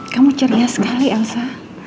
kamu ceria sekali asa